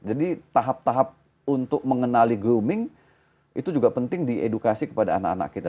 jadi tahap tahap untuk mengenali grooming itu juga penting di edukasi kepada anak anak kita